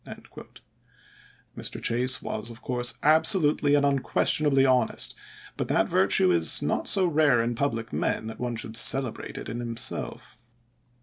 Mr. pS Chase was, of course, absolutely and unquestionably honest, but that virtue is not so rare in public men that one should celebrate it in himself.